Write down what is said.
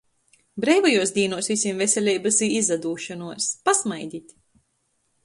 Breivajuos dīnuos vysim veseleibys i izadūšonuos!!! Pasmaidit!